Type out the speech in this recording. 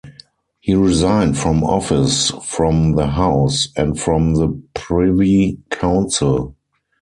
He resigned from office, from the House, and from the Privy Council.